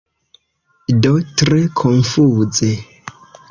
Do tre konfuze.